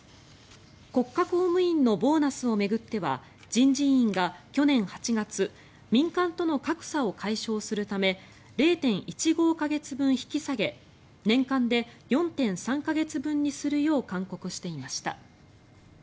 国家公務員のボーナスを巡っては人事院が去年８月民間との格差を解消するため０．１５か月分引き下げ年間で４．３か月分にするよう勧告していました。